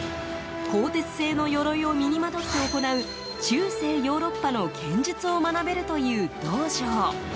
鋼鉄製の鎧を身にまとって行う中世ヨーロッパの剣術を学べるという道場。